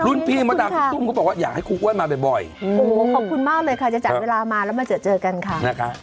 รุ่นพี่มาดังตุ้งเขาบอกว่าอยากให้คุณอ้วนมาบ่อยขอบคุณมากเลยค่ะจะจัดเวลามาแล้วมาเจอกันค่ะ